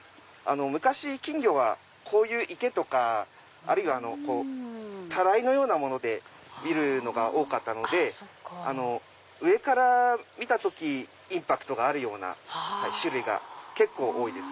昔金魚はこういう池とかあるいはタライのようなもので見るのが多かったので上から見た時インパクトがあるような種類が結構多いです。